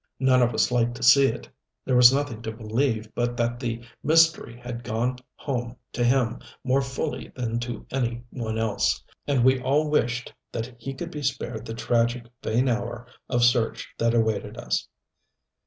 None of us liked to see it. There was nothing to believe but that the mystery had gone home to him more fully than to any one else and we all wished that he could be spared the tragic, vain hour of search that awaited us.